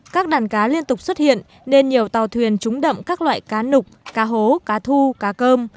các đàn cá liên tục xuất hiện nên nhiều tàu thuyền trúng đậm các loại cá nục cá hố cá thu cá cơm